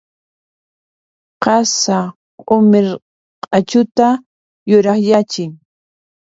Qasa q'umir q'achuta yurakyachin.